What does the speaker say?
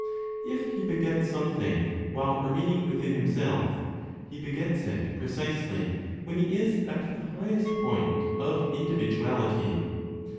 If He begets something while remaining within Himself, He begets it precisely when He is at the highest point of individuality.